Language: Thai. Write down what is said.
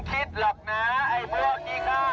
เกษตรภาพด้วยคุณ